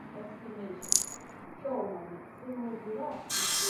Improper footwear, including worn-out shoes, can also contribute to shin splints.